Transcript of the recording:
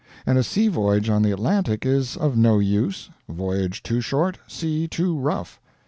And a sea voyage on the Atlantic is of no use voyage too short, sea too rough.